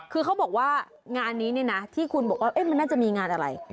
คือเขาบอกว่างานนี้เนี่ยนะที่คุณบอกว่ามันน่าจะมีงานอะไร